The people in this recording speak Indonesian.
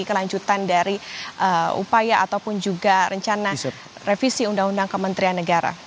kelanjutan dari upaya ataupun juga rencana revisi undang undang kementerian negara